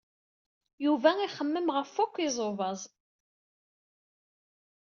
Yuba ixemmem ɣef wakk iẓubaẓ.